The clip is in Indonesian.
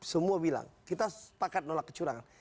semua bilang kita sepakat nolak kecurangan